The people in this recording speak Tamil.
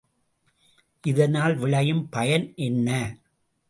இதனால் விளையும் பயன் என்ன?